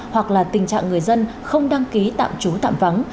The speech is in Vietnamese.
hoặc là tình trạng người dân không đăng ký tạm trú tạm vắng